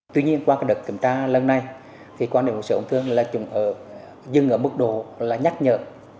tuy nhiên qua đợt kiểm tra lần này quan điểm của sự ổn thương là chúng ở dưng ở mức độ nhắc nhở